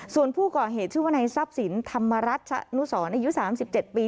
ส่วนผู้ก่อเหตุชื่อว่าในทรัพย์สินธรรมรัชนุสรอายุ๓๗ปี